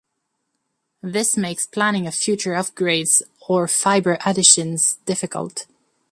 This makes planning of future upgrades or fibre additions difficult.